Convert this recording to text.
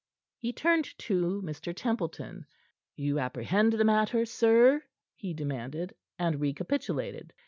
He turned to Mr. Templeton. "You apprehend the matter, sir?" he demanded, and recapitulated.